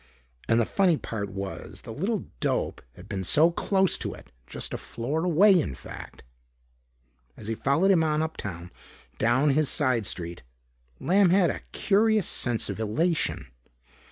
And the funny part was that the little dope had been so close to it. Just a floor away, in fact. As he followed him on uptown, down his side street, Lamb had a curious sense of elation.